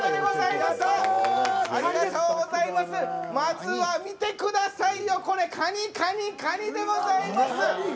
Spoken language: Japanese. まずは、見てくださいよ、これかに、かに、かにでございます。